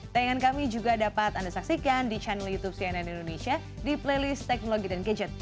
tayangan kami juga dapat anda saksikan di channel youtube cnn indonesia di playlist teknologi dan gadget